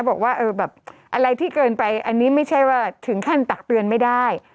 บอกว่าเออแบบอะไรที่เกินไปอันนี้ไม่ใช่ว่าถึงขั้นตักเตือนไม่ได้